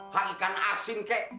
hak ikan asin kek